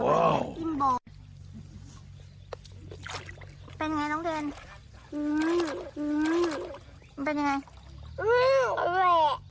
เป็นไง